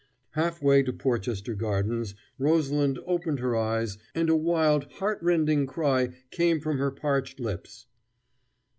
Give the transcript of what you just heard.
Half way to Porchester Gardens Rosalind opened her eyes, and a wild, heartrending cry came from her parched lips.